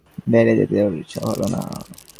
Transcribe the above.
এমন সময় যোগমায়া ডাকলেন বেড়াতে যেতে, ওর উৎসাহ হল না।